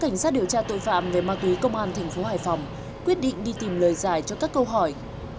cảnh sát điều tra tội phạm về ma tùy công an tp hải phòng quyết định đi tìm lời giải cho các câu hỏi